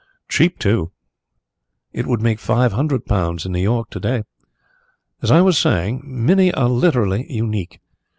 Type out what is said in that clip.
"Cheap, too; it would make five hundred pounds in New York to day. As I was saying, many are literally unique.